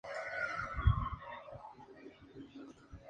Elgueta suministraba carbón vegetal y leña, así como mano de obra.